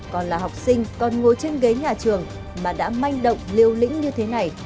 còn là học sinh còn ngồi trên ghế nhà trường mà đã manh động liều lĩnh như thế này